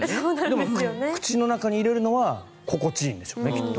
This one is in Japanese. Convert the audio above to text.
でも口の中に入れるのは心地いいんでしょうね。